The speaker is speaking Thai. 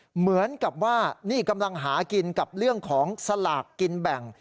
เหมือนกับว่านี่กำลังหากินกับเรื่องของสลากกินแบ่ง